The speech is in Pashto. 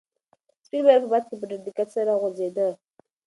سپین بیرغ په باد کې په ډېر قوت سره غوځېده.